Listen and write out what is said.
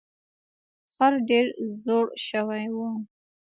خر ډیر زوړ شوی و.